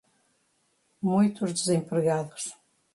muitos desempregados